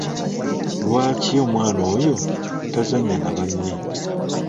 Lwaki omwana oyo tazannya na banne?